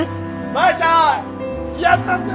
マヤちゃんやったぜ！